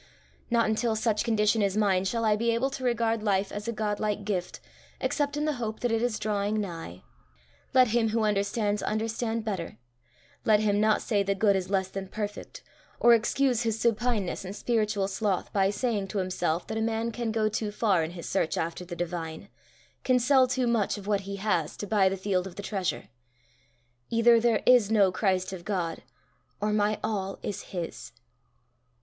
Not until such condition is mine shall I be able to regard life as a godlike gift, except in the hope that it is drawing nigh. Let him who understands, understand better; let him not say the good is less than perfect, or excuse his supineness and spiritual sloth by saying to himself that a man can go too far in his search after the divine, can sell too much of what he has to buy the field of the treasure. Either there is no Christ of God, or my all is his.